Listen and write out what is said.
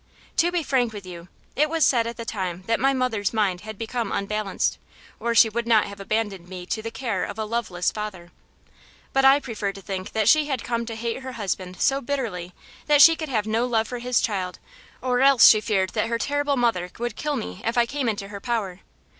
To be frank with you, it was said at the time that my mother's mind had become unbalanced, or she would not have abandoned me to the care of a loveless father, but I prefer to think that she had come to hate her husband so bitterly that she could have no love for his child or else she feared that her terrible mother would kill me if I came into her power.